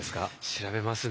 調べますね。